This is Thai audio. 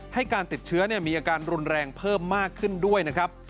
ให้การติดเชื้อมีอาการรุนแรงเพิ่มมากขึ้นด้วยนะครับ